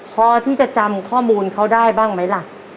พอที่จะจำข้อมูลเขาได้บ้างไหมล่ะ